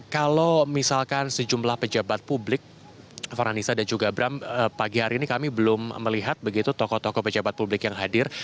kalau misalkan sejumlah pejabat publik farhanisa dan juga bram pagi hari ini kami belum melihat begitu tokoh tokoh pejabat publik yang hadir